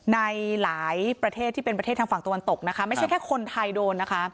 ในหลายประเทศที่เป็นประเทศทางฝั่งตะวันตกนะคะไม่ใช่แค่คนไทยโดนนะคะ